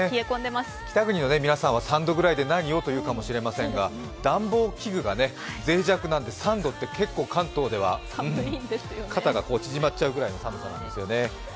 北国の皆さんは３度ぐらいで何をと思うかもしれませんが暖房器具がぜい弱なので、３度って、結構関東では肩が縮まっちゃうような寒さなんですよね。